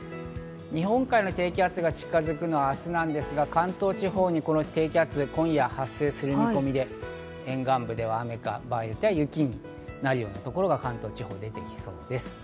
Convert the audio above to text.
日本海の低気圧が近づくのは明日なんですが、関東地方に低気圧が今夜発生する見込みで、沿岸部では雨か、場合によっては雪になるところが、関東地方で出てきそうです。